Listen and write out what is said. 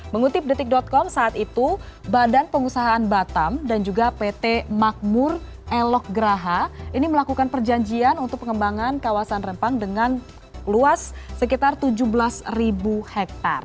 mengutip detik com saat itu badan pengusahaan batam dan juga pt makmur elok graha ini melakukan perjanjian untuk pengembangan kawasan rempang dengan luas sekitar tujuh belas ribu hektare